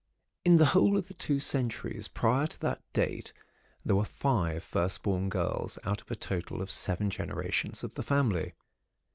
In the whole of the two centuries prior to that date, there were five first born girls, out of a total of seven generations of the family.